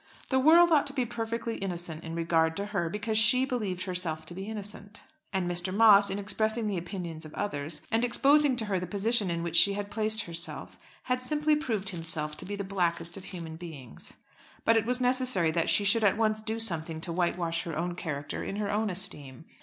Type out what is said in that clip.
The world ought to be perfectly innocent in regard to her because she believed herself to be innocent; and Mr. Moss in expressing the opinions of others, and exposing to her the position in which she had placed herself, had simply proved himself to be the blackest of human beings. But it was necessary that she should at once do something to whitewash her own character in her own esteem.